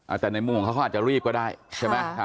แต่ในมุมของเขาเขาอาจจะรีบก็ได้ใช่ไหม